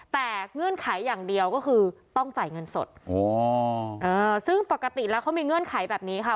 แต่เงื่อนไขอย่างเดียวก็คือต้องจ่ายเงินสดอ๋อซึ่งปกติแล้วเขามีเงื่อนไขแบบนี้ค่ะ